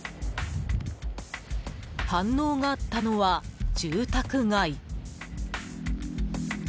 反応があったのは住宅街。